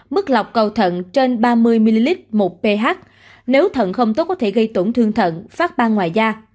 mức lọc cầu thận trên ba mươi ml một ph nếu thận không tốt có thể gây tổn thương thận phát bang ngoài da